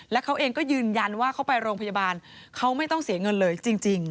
แล้วเขาเองก็ยืนยันว่าเขาไปโรงพยาบาลเขาไม่ต้องเสียเงินเลยจริง